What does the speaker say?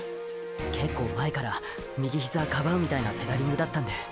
けっこう前から右ヒザかばうみたいなペダリングだったんで。